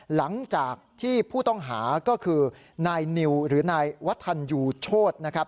หลังจากที่ผู้ต้องหาก็คือนายนิวหรือนายวัฒนยูโชธนะครับ